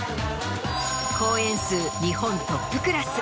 公演数日本トップクラス。